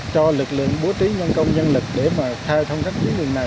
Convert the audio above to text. cho lực lượng bố trí nhân công nhân lực để mà thay thông cách dưới lượng này